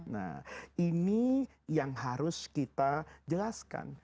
nah ini yang harus kita jelaskan